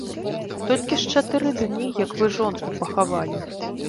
Толькі ж чатыры дні, як вы жонку пахавалі.